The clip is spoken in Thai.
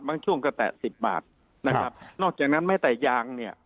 ช่วงกระแตะสิบบาทนะครับนอกจากนั้นแม้แต่ยางเนี่ย